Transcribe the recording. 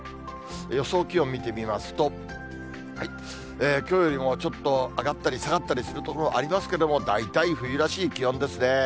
予想気温見てみますと、きょうよりもちょっと上がったり下がったりする所ありますけれども、大体冬らしい気温ですね。